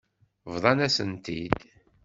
Bḍant-asen-t-id.